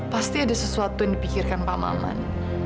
pasti ada sesuatu yang dipikirkan pak maman